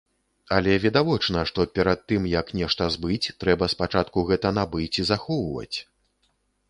Але відавочна, што перад тым, як нешта збыць, трэба спачатку гэта набыць і захоўваць.